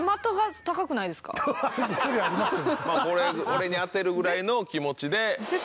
これに当てるぐらいの気持ちで。